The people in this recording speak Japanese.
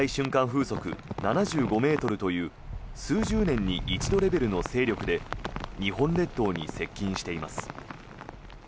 風速７５ｍという数十年に一度レベルの勢力で日本列島に接近しています。